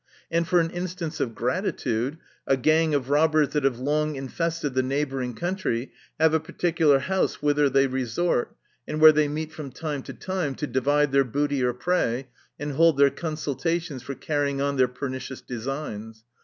— And for an instance of gratitude, a gang of robbers that have long infested the neighboring country, have a particular house whither they resort, and where they meet from time to time, to divide their booty or prey, and hold their consultations for carrying on their pernicious designs.